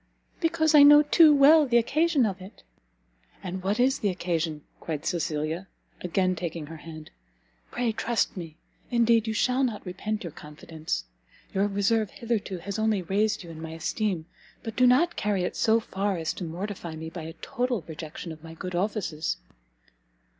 "Because I know too well the occasion of it!" "And what is the occasion?" cried Cecilia, again taking her hand, "pray trust me; indeed you shall not repent your confidence. Your reserve hitherto has only raised you in my esteem, but do not carry it so far as to mortify me by a total rejection of my good offices."